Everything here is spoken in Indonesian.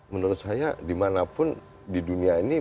menurut saya dimanapun di dunia ini